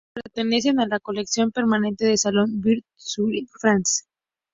Sus obras pertenecen a la Colección Permanente del Salón Vitry-Sur Seine, France.